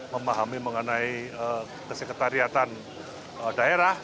memahami mengenai keseketariatan daerah